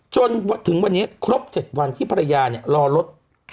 จนถึงวันนี้ครบ๗วันที่ภรรยารอรถ